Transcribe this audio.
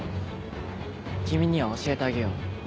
君には教えてあげよう。